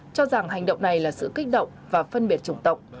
cho rằng hành động này là sự kích động và phân biệt chủng tộc